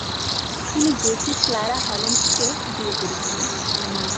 তিনি Jessie Clara হল্যান্ডসকে বিয়ে করেছিলেন।